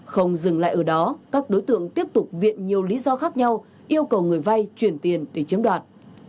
không dừng lại ở đó các đối tượng tiếp tục viện nhiều lý do khác nhau yêu cầu người vay chuyển tiền để chiếm đoạt